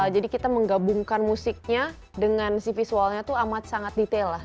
jadi kita menggabungkan musiknya dengan si visualnya itu amat sangat detail lah